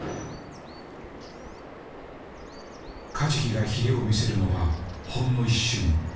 カジキがヒレを見せるのはほんの一瞬。